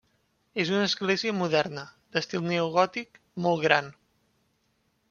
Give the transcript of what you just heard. És una església moderna, d'estil neogòtic, molt gran.